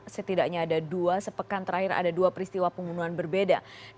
setidaknya ada dua sepekan terakhir ada dua peristiwa pembunuhan berbeda